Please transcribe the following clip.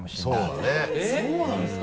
あっそうなんですか？